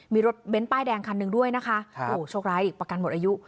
มีรถเบ้นป้ายแดงคันหนึ่งด้วยนะคะโอ้โหโชคร้ายอีกประกันหมดอายุ